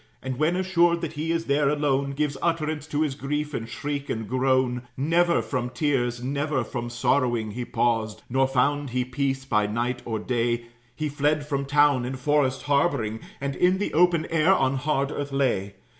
And when assured that he is there alone, Gives utterance to his grief in shriek and groan. Never from tears, never from sorrowing, He paused; nor found he peace by night or day; He fled from town, in forest harboring, And in the open air on hard earth lay.